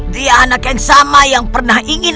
dia anak yang sama yang pernah ingin